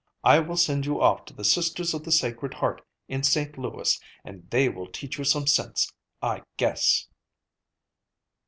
I will send you off to the Sisters of the Sacred Heart in St. Louis, and they will teach you some sense, I guess!"